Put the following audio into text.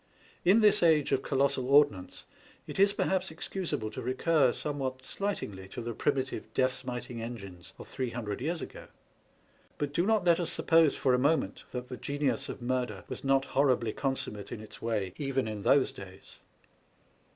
In this age of colossal ordnance, it is perhaps ex cusable to recur somewhat slightingly to the primitive death smiting engines of three hundred years ago. But do not let us suppose for a moment that the genius of murder was not horribly consummate in its way even in those days.